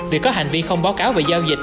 vì có hành vi không báo cáo về giao dịch